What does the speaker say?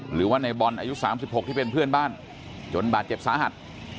หรือว่าในบอลอายุ๓๖ที่เป็นเพื่อนบ้านจนบาดเจ็บสาหัส